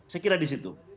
saya kira di situ